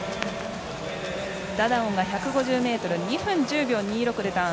ダダオンは１５０ｍ２分１０秒２６でターン。